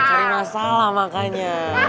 mencari masalah makanya